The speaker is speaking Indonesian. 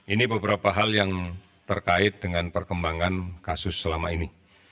ini beberapa hal yang terkait dengan perkembangan kasus selama ini